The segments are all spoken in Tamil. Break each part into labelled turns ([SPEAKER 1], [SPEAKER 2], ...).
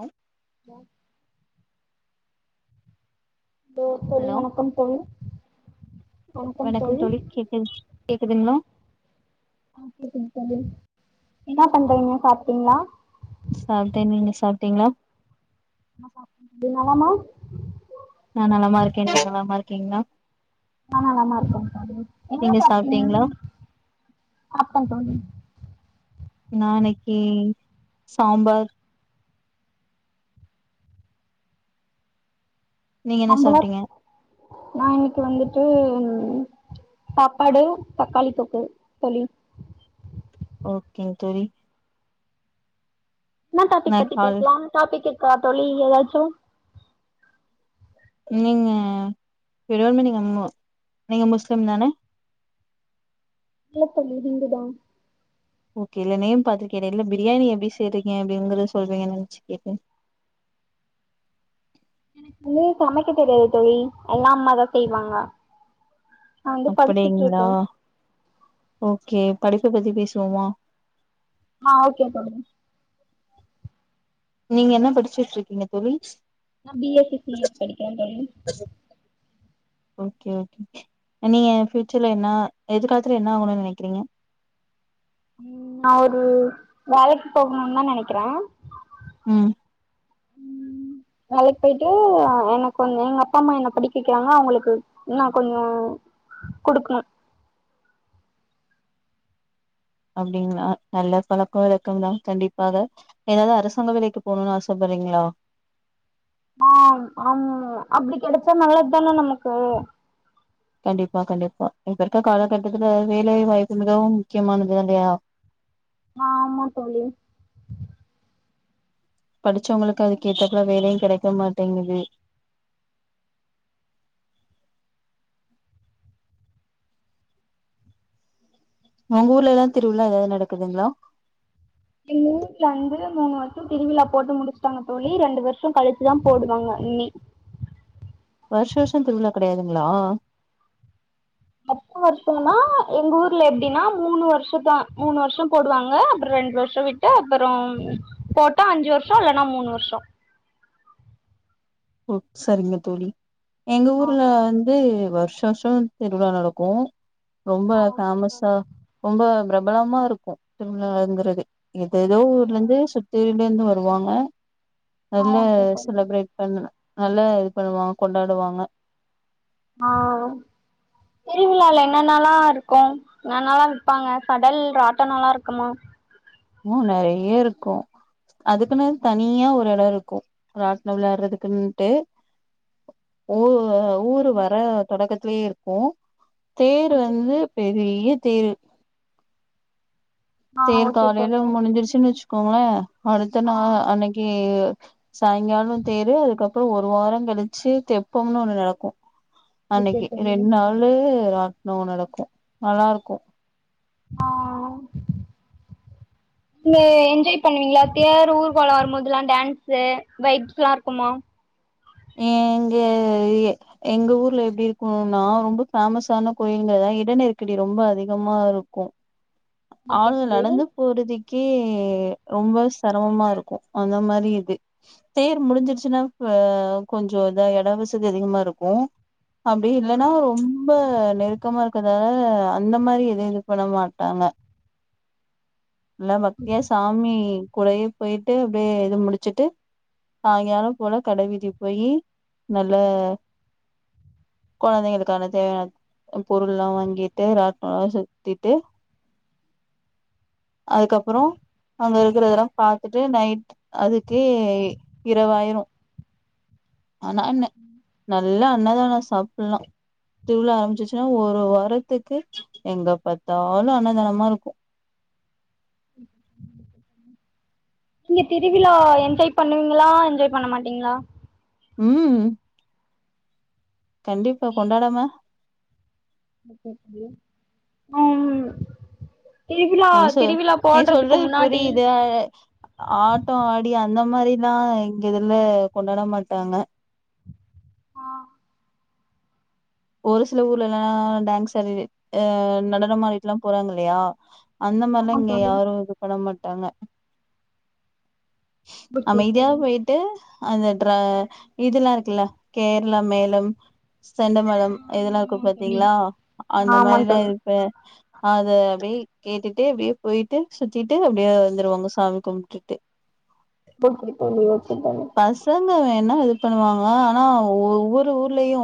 [SPEAKER 1] ஹலோ
[SPEAKER 2] ஹலோ தோழி
[SPEAKER 1] ஹலோ
[SPEAKER 2] வணக்கம் தோழி
[SPEAKER 1] வணக்கம் தோழி கேக்குது கேக்குதுங்களா
[SPEAKER 2] கேக்குது தோழி என்ன பண்றீங்க சாப்பிட்டீங்களா
[SPEAKER 1] சாப்பிட்டேன் நீங்க சாப்பிட்டீங்களா
[SPEAKER 2] நா சாப்ட நீ நலமா
[SPEAKER 1] நா நலமா இருக்கே நீங்க நலமா இருக்கீங்களா
[SPEAKER 2] நா நலமா இருக்கோ தோழி என்ன
[SPEAKER 1] நீங்க
[SPEAKER 2] சாப்டிங்க
[SPEAKER 1] சாப்ட்டீங்களா
[SPEAKER 2] சாப்டே தோழி
[SPEAKER 1] நா இன்னிக்கு சாம்பார் நீங்க என்ன சாப்பிட்டீங்க
[SPEAKER 2] நான் இன்னிக்கு வந்துட்டு சாப்பாடு தக்காளி தொக்கு தோழி
[SPEAKER 1] ஓகே தோழி
[SPEAKER 2] என்ன டாபிக்
[SPEAKER 1] நா
[SPEAKER 2] பத்தி
[SPEAKER 1] கால்
[SPEAKER 2] பேசலாம் டாபிக் [unintelligible] ஏதாச்சோ
[SPEAKER 1] நீங்க [unintelligible] நீங்க முஸ்லிம் தான
[SPEAKER 2] இல்ல தோழி இந்துதா
[SPEAKER 1] ஓகே இல்ல நேம் பாத்து கேட்டேன் இல்ல பிரியாணி எப்டி சேறீங்க அப்படிங்கற சொல்ுவீங்க நினைச்சு கேட்டேன்
[SPEAKER 2] எனக்கு வந்து சமைக்க தெரியாது தோழி எல்லாம் அம்மாதான் செய்வாங்க நா வந்து படிச்சுட்டு
[SPEAKER 1] அப்டீங்களா
[SPEAKER 2] இருக்கே
[SPEAKER 1] ஓகே படிப்ப பத்தி பேசுவோமா
[SPEAKER 2] ஆ ஓகே தோழி
[SPEAKER 1] நீங்க என்ன படிச்சுட்டு இருக்கீங்க தோழி
[SPEAKER 2] நா பிஎஸ்சி சிஸ் படிக்கிற தோழி
[SPEAKER 1] ஓகே ஓகே நீங்க பஃபியூச்சர்ல என்ன எதிர்காலத்துல என்ன ஆகணும்னுு நனைக்கிறீங்க
[SPEAKER 2] ம் நான் ஒரு வேலைக்கு போகணும்னு தான் நெனைக்குற
[SPEAKER 1] ம்
[SPEAKER 2] ம்ம் வேலைக்கு போயிட்டு எனக்கு ஒன்னு எங்க அப்பா அம்மா என்ன படிக்க வக்கிறாங்க அவங்களுக்கு நான் கொஞ்சம் குடுக்கணும்
[SPEAKER 1] அப்டிங்களா நல்ல பழக்கொ வழக்கம்தா கண்டிப்பாக எதாவது அரசாங்க வேலைக்கு போணுனு ஆசப்படுறீங்களோ
[SPEAKER 2] ஆம் ஆமா அப்டி கெடச்சா நல்லதுதான நமக்கு
[SPEAKER 1] கண்டிப்பா கண்டிப்பா இப்ப இருக்க காலகட்டத்துல வேலை வாய்ப்பு மிகவும் முக்கியமானதுதா இல்லயா
[SPEAKER 2] ஆமா தோழி
[SPEAKER 1] படிச்சவங்களுக்கு அது கேட்டா கூட வேலையு கெடைக்க மாட்டேங்குது ஒங்க ஊர்ல எல்லா திருவிழா எதாவது நடக்குதுங்களா
[SPEAKER 2] எங்க வூட்ல வந்து மூணு வருஷொ திருவிழா போட்டு முடிச்சுட்டாங்க தோழி ரெண்டு வருஷொ கழிச்சுதா போடுவாங்க இனி
[SPEAKER 1] வருஷ வருஷொ திருவிழா கெடையாதுங்களா
[SPEAKER 2] பத்து வருஷொனா எங்க ஊர்ல எப்படின்னா மூணு வருஷதா மூணு வர்ஷொ போடுவாங்க அப்பற ரெண்டு வருஷொ விட்டு அப்புறம் போட்டா அஞ்சு வருஷொ இல்லனா மூணு வருஷொ
[SPEAKER 1] ஓ சரிங்க தோழி எங்க
[SPEAKER 2] ஆ
[SPEAKER 1] ஊர்ல வந் ந்து வர்ஷ வருஷொ திருவிழா நடக்கு ரொம்ப
[SPEAKER 2] ஆ ஓகே தோழி
[SPEAKER 1] ஃபேமஸா ரொம்ப பிர ரபலமா இருக்கு திருமழாங்கிறது எதெதோ ஊர்ல இருந்து சுத்துறில இருந்து வருவாங்க
[SPEAKER 2] ஆ
[SPEAKER 1] நல்ல
[SPEAKER 2] ஓகே தோழி
[SPEAKER 1] செலப்ரேட் பண்ணுன நல்லா இது பண்ணுவாங் கொண்டாடுவாங்க
[SPEAKER 2] ஆஹ் திருவிழால என்னன்னளா இருக்கு என்னல்லா விப்பாங்க கடல் ராட்டணொல்லா இருக்குமா
[SPEAKER 1] உ நெறைய இருக்கு அதுக்குன்னு தனியா ஒரு எடொ இருக்கு ராட்ணம் விளையாடுறதுக்குன்ட்டு ஊ ஊரு வர தொடக்கத் துலே இருக்கு தேர்
[SPEAKER 2] ஓகே
[SPEAKER 1] வந்து
[SPEAKER 2] தோழி
[SPEAKER 1] பெரிய தேரு
[SPEAKER 2] ஆ
[SPEAKER 1] தேர்
[SPEAKER 2] ஓகே
[SPEAKER 1] காலைல
[SPEAKER 2] தோழி
[SPEAKER 1] முடுஞ்சுடுச்சுன் வச்சு கோங்கள அடுத்த
[SPEAKER 2] ஆ
[SPEAKER 1] நா அனைக்கு சாய்ங்காலொ தேரு அதுக்கப்பறொ ஒரு வாரங் கழிச்சு தெப்பம்னு ஒன்னு நடக்கு
[SPEAKER 2] ஓகே
[SPEAKER 1] அன்னைக்கு
[SPEAKER 2] தோழி
[SPEAKER 1] ரெண்டு நாளு ராட் னோ நடக்கு நல்லாருக்கு
[SPEAKER 2] ஆஹ் நீங்க என்ஜாய் பண்ணுவீங்களா தேர் ஊர் கோலோ வரும்போதுல்லா டேன்ஸு வைப்ஸ்ல்லா இருக்குமா
[SPEAKER 1] எங்க எ எங்க ஊர்ல எப்டி இருக்கும்னா ரொம்ப பேமஸான கோயில்கள இடநெருக்கடி ரொம்ப அதிகமாருக்கு
[SPEAKER 2] ஓகே
[SPEAKER 1] ஆள்
[SPEAKER 2] தோழி
[SPEAKER 1] நடந்து போறதுக் க்கே ரொம்ப செரமமா இருக்கு அந்த மாரி இக்கு தேர் முடிஞ்சிருச்சுன்னா கொ கொஞ்சொ இதா எடவசதி அதிகமா இருக்கு அப்படி இல்லன்னா ரொம்ப நெருக்கமா இருக்கதால அந்த மாரி எது இது பண்ண மாட்டாங்க நல்லா பக்தியா சாமி கூடயே போயிட்டு அப்டியே இது முடிச்சுட்டு சாயங்காலொ போல கடவீதி போயி நல்ல கொழந்தைங்களுக்கான தேவையான பொருள் எல்லா வாங்கிட்டு ராட்டணொல்லா சுத்திட்டு அதுக்கப்பறொ அங்க இருக்கிறதெல்லா பாத்துட்டு நைட் அதுக்கு இரவாயிரு ஆனா என்ன நல்ல அன்னதான ச சாப்புடுலா திருவிழா ஆரம்பிச்சிச்சுன்னா ஒரு வாரத்துக்கு எங்க பாத்தாலு அன்னதானம் மாருக்கு
[SPEAKER 2] நீங்க திருவிழா என்ஜாய் பண்ணுவீங்களா என்ஜாய் பண்ண மாட்டீங்களா
[SPEAKER 1] உம் கண்டிப்பா கொண்டாடாம
[SPEAKER 2] உஹம்
[SPEAKER 1] நீ சொ நீ சொல்றது
[SPEAKER 2] முன்னாடி
[SPEAKER 1] புரியது ஆ ஆட்டோ ஆடி அந்த மாரிலா எங்க இதுல கொண்டாட மாட்டாங்க
[SPEAKER 2] ஆ
[SPEAKER 1] ஒரு சில ஊர்லல்லா டான்ஸ் ஆடி அஹ் நடனமாடிட்டுல்லா போறாங்க இல்லையா அந்த மாரில்லா
[SPEAKER 2] ஆமா
[SPEAKER 1] இங்க
[SPEAKER 2] தோழி
[SPEAKER 1] யாரு இது பண்ண மாட் டாங்க
[SPEAKER 2] ஓகே
[SPEAKER 1] அமைதியா
[SPEAKER 2] தோழி
[SPEAKER 1] போயிட்டு அந்த ட்ற இதெல்லா இருக்குல்ல கேரளா மெளம் செண்ட மே
[SPEAKER 2] ஆ
[SPEAKER 1] இதெல்லா இருக்கு
[SPEAKER 2] ஆமாமா தோழி
[SPEAKER 1] பாத்தீங்களா அந்த
[SPEAKER 2] ஆமா
[SPEAKER 1] மாரிலா
[SPEAKER 2] தோழி
[SPEAKER 1] இப்ப அது அப்டே கேட்டுட்டு இப்டியே போயிட்டு சுத்திட்டு அப்டியே வந்துருவாங்க சாமி கும்மிடுட்டு
[SPEAKER 2] ஓகே தோழி ஓகே தோழி
[SPEAKER 1] பசங்க வேணா இது பண்ணுவாங்க ஆனா ஒவ்வொரு ஊர்லயு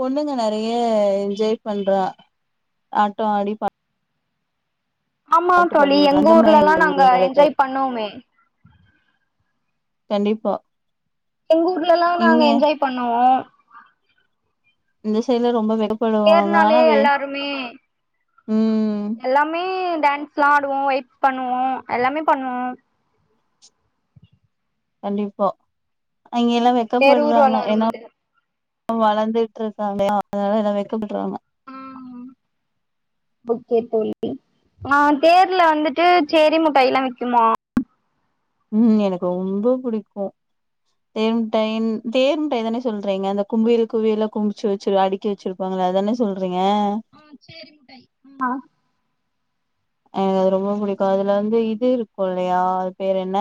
[SPEAKER 1] பொண்ணுங்க நெறைய ஆ என்ஜாய் பண்றா ஆட்டோ ஆடி
[SPEAKER 2] ஆமா
[SPEAKER 1] பாட்டு
[SPEAKER 2] தோழி
[SPEAKER 1] பாடி
[SPEAKER 2] எங்க
[SPEAKER 1] அந்த மாரி
[SPEAKER 2] ஊர்ல எல்லா
[SPEAKER 1] எங்க
[SPEAKER 2] நாங்க
[SPEAKER 1] ஊர்ல நடக்காது
[SPEAKER 2] என்ஜாய் பண்ணுவோமே
[SPEAKER 1] கண்டிப்பா
[SPEAKER 2] எங்க ஊர்லல்லா நாங்க
[SPEAKER 1] இங்க
[SPEAKER 2] என்ஜாய் பண்ணுவோ
[SPEAKER 1] இந்த சையிடுல ரொம்ப வெக்கப்படுவாங்க
[SPEAKER 2] தேர்னாலே
[SPEAKER 1] ஆனா வே
[SPEAKER 2] எல்லாருமே
[SPEAKER 1] ம்
[SPEAKER 2] எல்லாமே டான்ஸ் எல்லா ஆடுவோ வெயிப் பண்ணுவோ எல்லாமே பண்ணுவோ
[SPEAKER 1] கண்டிப்பா இங்கே எல்லா
[SPEAKER 2] தேர்
[SPEAKER 1] வெக்கப்படுவாங்க
[SPEAKER 2] ஊர்வலோ
[SPEAKER 1] என்ன
[SPEAKER 2] வரும்போது
[SPEAKER 1] வளந்துட்டு இருக்காங்க அதனால எல்லா வெக்கப்படுறாங்க
[SPEAKER 2] ம் ஓகே தோழி ஆஹ் தேர்ல வந்துட்டு சேரி முட்டாய் எல்லா விக்குமா
[SPEAKER 1] உம் எனக்கு ரொம்ப புடிக்கோ தேன் மிட்டாய் தேன்முட்டாய் தானே சொல்றீங்க அந்த கும்பியல குவிய எல்லா கும்பிச்சு வெச்சிரு அடிக்கி வெச்சிருப்பாங்களே அத தானே சொல்றீங்க
[SPEAKER 2] ஹம் சேரி முட்டாய்
[SPEAKER 1] ஆ எனக்கு அது ரொம்ப புடிக்கும் அதுல வந்து இது இருக்கோ இல்லையா அது பேரு என்ன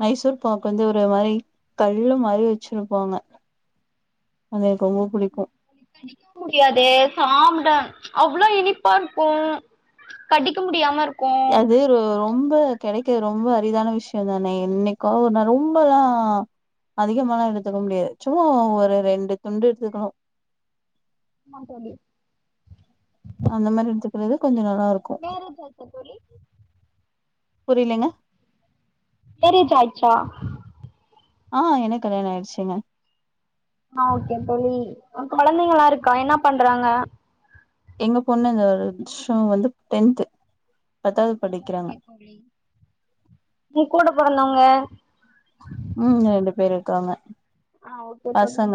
[SPEAKER 1] மைசூர் பாக்கு வந்து ஒரு மாரி கல்லு மாரி வெச்சிருப்பாங்க அ
[SPEAKER 2] கடிக்கவு முடியாதே சாப்ட அவ்ளோ இனிப்பா இருக்கோ கடிக்க முடியாம இருக்
[SPEAKER 1] அது ரொம் ரொம்ப கெடைக்க ரொம்ப அரிதான விஷயம் தானே என்னைக்கோ ஒரு நாள் ரொம்பல்லா அதிகமால்லா எடுத்துக்க முடியாது சும்மா ஒரு ரெண்டு துண்டு எடுத்துக்கணு
[SPEAKER 2] ஆமா தோழி
[SPEAKER 1] அந்த மாரி எடுத்துக்கறது கொஞ்சோ நல்
[SPEAKER 2] வேற எதாச்சு தோழி
[SPEAKER 1] புரியலங்க
[SPEAKER 2] மேரஜ் அயிச்சா
[SPEAKER 1] ஆஹ் எனக்கு கல்யாண ஆயிடுச்சுங்க
[SPEAKER 2] ஆஹ் ஓகே தோழி கொழந்தைங்களா இருக்கா என்ன பண்றாங்க
[SPEAKER 1] எங்க பொண்ணுங்க இந்த வருஷம் வந்து டென்த்து பத்தாவது படிக்கிறாங்க
[SPEAKER 2] உங்க கூட பிறந்தவங்க
[SPEAKER 1] க்கங்க
[SPEAKER 2] ஆஹ் ஓகே அ தோழி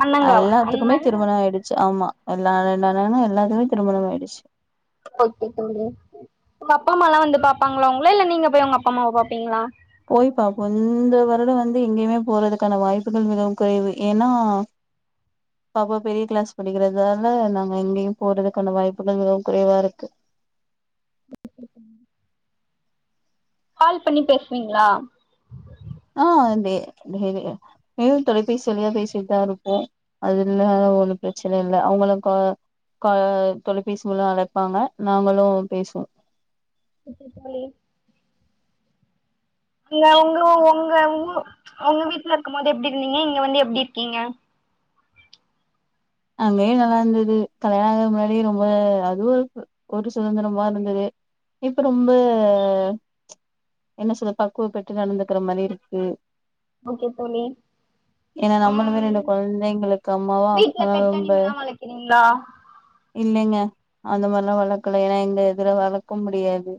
[SPEAKER 2] அண்ணம் காவ
[SPEAKER 1] எல்லாத்துக்குமே
[SPEAKER 2] அண்ணங்க
[SPEAKER 1] திருமணோ ஆயிடுச்சு ஆமா எல்லா ரெண்டு அண்ணன்களுக்கு எல்லாத்துமே திருமணம் ஆயிடுச்சு
[SPEAKER 2] ஓகே தோழி உங்க அப்பா அம்மலாம் வந்து பாப்பாங்களா உங்கள இல்ல நீங்க போய் உங்க அப்பா அம்மாவே பாப்பீங்களா
[SPEAKER 1] போய் பாப்பா இந்த வருடம் வந்து எங்கேயுமே போறதுக்கான வாய்ப்புகள் மிகவும் குறைவு ஏன்னா பாப்பா பெரிய கிளாஸ் படிக்கிறதால நாங்க எங்கேயும் போறதுக்கான வாய்ப்புகள் மிகவும் குறைவா இருக்கு
[SPEAKER 2] கால் பண்ணி பேசுவீங்களா
[SPEAKER 1] ஆஹ் அத மேயும் தொலைபேசி வழியா பேசிட்டுதான் இருப்போம் அது இல்ல பிரச்சனை இல்ல அவங்களுக்கு தொலைபேசி மூலம் அழைப்பாங்க நாங்களும் பேசுவோம்
[SPEAKER 2] ஓகே தோழி அங்க உங்க உங்க உங்க உங்க வீட்டுல இருக்கும் போது எப்படி இருந்தீங்க இங்க வந்து எப்படி இருக்கீங்க
[SPEAKER 1] அங்கேயும் நல்லா இருந்தது கல்யாணம் ஆற முன்னாடிே ரொம்ப அதுவும் ஒரு ஒரு சுதந்திரமா இருந்தது இப்ப ரொம்ப என்ன சொல்லற பக்குவப்பட்டு நடந்துக்கிற மாதிரி இருக்கு
[SPEAKER 2] ஓகே தோழி
[SPEAKER 1] ஏன்னா நம்மளுமே ரெண்டு
[SPEAKER 2] ம்
[SPEAKER 1] குழந்தைங்களுக்கு அம்மாவா
[SPEAKER 2] வீட்ல பெட்
[SPEAKER 1] ரொம்ப
[SPEAKER 2] அனிமல்லா வளர்க்கிறீங் இந்தா
[SPEAKER 1] இல்லைங்க அந்த மாதிரிலாம் வளர்க்கல ஏன்னா எங்க எதுல வளர்க்க முடியாது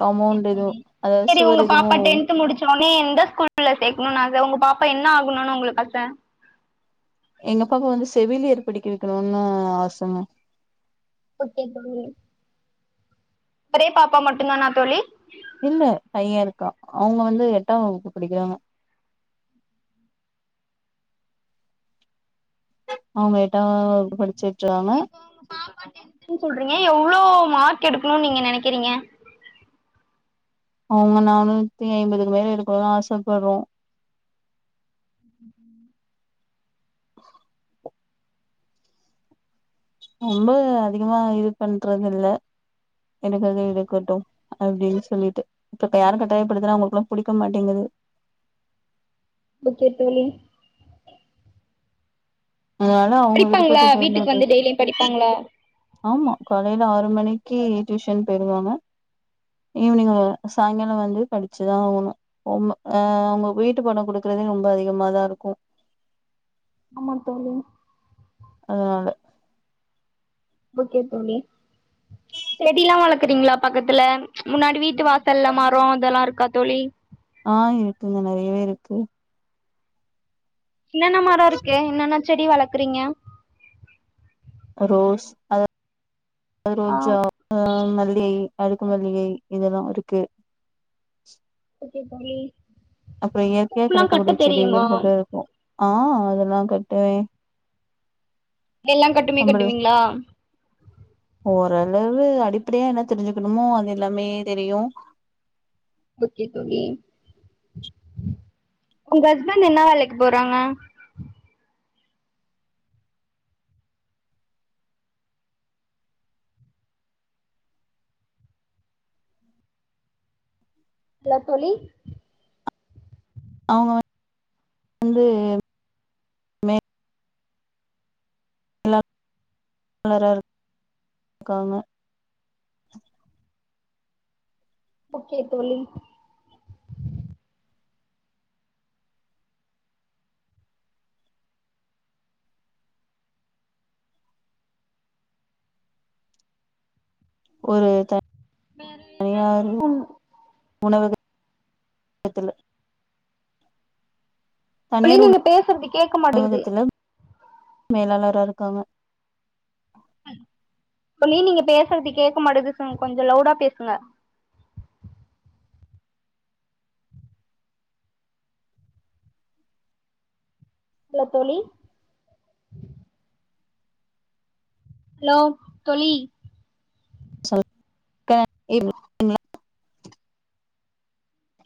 [SPEAKER 1] காம்பவுண்ட் எதுவு அதாவது
[SPEAKER 2] சரி உங்க
[SPEAKER 1] சுவர்
[SPEAKER 2] பாப்பா
[SPEAKER 1] எதுவு
[SPEAKER 2] டென்த் முடிச்ச உடனே எந்த ஸ்கூல் சேர்கணும் ஆச உங்க பாப்பா வா அப்ப என்ன ஆகணும்னு உங்களுக்கு ஆச
[SPEAKER 1] எங்க பக்கம் வந்து செவிலியர் படிக்க வைக்கணும்னு ஆசங்க
[SPEAKER 2] ஓகே தோழி ஒரே பாப்பா மட்டும்தானா தோழி
[SPEAKER 1] இல்ல பையன் இருக்கா அவங்க வந்து எட்டாம் வகுப்பு படிக்கிறாங்க அவங்க எட் [unintelligible] படிச்சுட்டுராங்க
[SPEAKER 2] டென்த் சொல்றீங்க எவ்வளோ மார்க் எடுக்கணும்னு நீங்க நெனைக்கிறீங்க
[SPEAKER 1] அவங்க நானூத்தி ஐம்பதுக்கு மேல எடுக்கணும்னு ஆசப்படுறோம்
[SPEAKER 2] ம்ஹூம்
[SPEAKER 1] ரொம்ப அதிகமா இது பண்றது இல் எடுக்கறது எடுக்கட்டும் அப்படின்னு சொல்லிட்டு இப்ப யாரும் கட்டாயப்படுத்துனா அவங்களுக்குல்லாம் புடிக்க மாட்டேங்குது
[SPEAKER 2] ஓகே தோழி
[SPEAKER 1] அதனால அவங்க விருப்பத்த
[SPEAKER 2] படிப்பாங்களா
[SPEAKER 1] பேர்ல
[SPEAKER 2] வீட்டுக்கு வந்து
[SPEAKER 1] விடுறது
[SPEAKER 2] டெய்லியு படிப்பாங்களா
[SPEAKER 1] ஆமா காலையில ஆறு மணி க்கி டியூஷன் போயிருவாங்க ஈவினிங் சாயங்காலம் வந்து படிச்சுதான் ஆகணும் அஹ் அவங்க வீட்டு படம் குடுக்கறதே ரொம்ப அதிகமாதான் இருக்கும்
[SPEAKER 2] ஆமா தோழி
[SPEAKER 1] ஆஹ்
[SPEAKER 2] ஓக்கே தோழி செடி எல்லாம் வளர்க்குறீங்களா பக்கத்துல முன்னாடி வீட்டு வாசல்ல மரம் அதெல்லாம் இருக்கா தோழி
[SPEAKER 1] ஆஹ் இருக்குங்க நெறையவே இருக்கு
[SPEAKER 2] என்னென்ன மரம் இருக்கு என்னென்ன செடி வளர்க்குறீங்க
[SPEAKER 1] ரோஸ் அத
[SPEAKER 2] ஆ
[SPEAKER 1] ரோஜா அஹ் லே அடுக்கு மல்லிகை இதெல்லாம் இருக்கு
[SPEAKER 2] இட்லி பொடி
[SPEAKER 1] அப்பறம் இயற்கையா கடைக்கக்கூடிய செடிகள் கூட இருக்கும் ஆ அதெல்லாம் கட்டுவே
[SPEAKER 2] எல்லாம் கட்டுமே கட்டுவீங்களா
[SPEAKER 1] ஓரளவு அடிப்படையா என்ன தெரிஞ்சுக்கணுமோ அது எல்லாமே தெரியும்
[SPEAKER 2] ஓகே தோழி உங்க ஹஸ்பண்ட் என்ன வேலக்கு போறாங்க எல்ல தோழி
[SPEAKER 1] அவுங்க வந்து [inaudible]
[SPEAKER 2] ஓகே தோழி
[SPEAKER 1] ஒரு த ஒண்ணாவது
[SPEAKER 2] ம்
[SPEAKER 1] மூணாவது கத்தல
[SPEAKER 2] தோழி
[SPEAKER 1] தனியார்
[SPEAKER 2] நீங்க பேசறது கேட்க மாட்டேங்குது
[SPEAKER 1] உணவகத்துல கமா
[SPEAKER 2] தோழி நீங்க பேசுறது கேட்க மாட்டது கொஞ்சம் லவுடா பேசுங்க ஹலோ தோழி ஹலோ தோழி
[SPEAKER 1] [inaudible]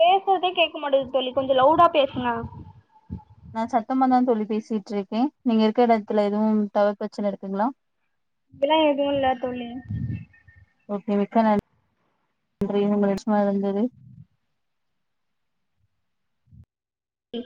[SPEAKER 2] பேசுறதே கேக்க மாட்டேது தோழி கொஞ்சம் லவுடா பேசுங்க
[SPEAKER 1] நான் சத்தமாதா தோழி பேசிட்டு இருக்கேன் நீங்க இருக்கற எடத்துல எதுவும் டவர் பிரச்சனை இருக்குங்களா
[SPEAKER 2] அப்படியில்லா எதுவு இல்லத் தோழி
[SPEAKER 1] ஓகே மிக்க நன்றி நன்றி [inaudible]
[SPEAKER 2] ம்